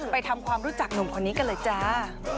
ไปทำความรู้จักหนุ่มคนนี้กันเลยจ้า